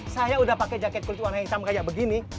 saya udah pakai jaket kulit warna hitam kayak begini